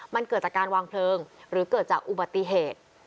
มันเกิดจากการวางเพลิงหรือเกิดจากอุบัติเหตุ